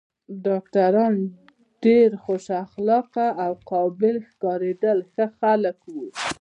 ډاکټران ډېر خوش اخلاقه او قابل ښکارېدل، ښه خلک و.